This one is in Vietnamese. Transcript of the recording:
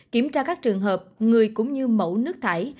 kiểm tra các trường hợp người cũng như mẫu nước thải